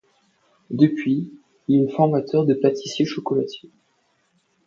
Depuis, il est formateur de pâtissiers-chocolatiers.